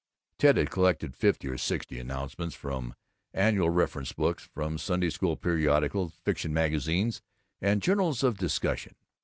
Ted had collected fifty or sixty announcements, from annual reference books, from Sunday School periodicals, fiction magazines, and journals of discussion.